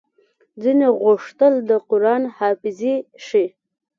ځينو غوښتل د قران حافظې شي